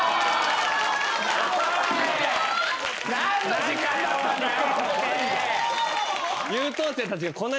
何の時間だったんだよ！